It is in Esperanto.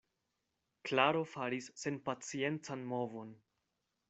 Klaro faris senpaciencan movon.